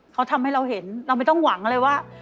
เขาทำให้เราเห็นเราไม่ต้องหวังเลยว่า